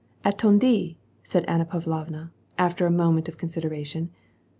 •^^ Attendez /" said Anna Pavlovna, after a moment of coi sideration.